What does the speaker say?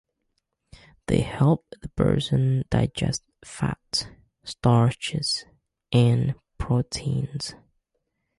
They help the person digest fats, starches, and proteins.